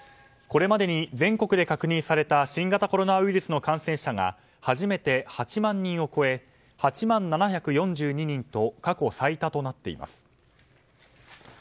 これまでに全国で確認された新型コロナウイルスの感染者が初めて８万人を超え８万７４２人と過去最多となっています。